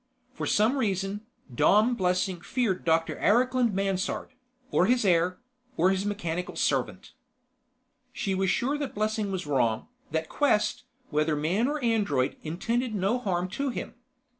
For some reason, Dom Blessing feared Dr. Eriklund Mansard ... or his heir ... or his mechanical servant. She was sure that Blessing was wrong, that Quest, whether man or android, intended no harm to him.